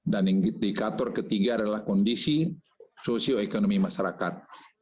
dan indikator ketiga adalah kondisi sosioekonomi masyarakat